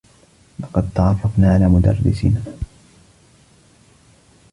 لقد تعرّفنا على مدرّسنا.